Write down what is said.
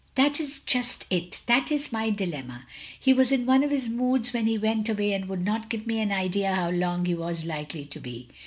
"That is just it. That is my dilemma. He was in one of his moods when he went away and would not give me an idea how long he was likely to be.